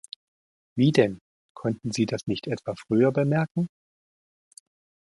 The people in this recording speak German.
Wie denn, konnten sie das nicht etwa früher bemerken?